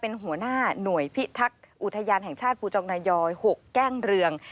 เป็นหัวหน้าหน่วยพิทักษ์อุทยานแห่งชาติภูจองนายอย๖แก้งเรือง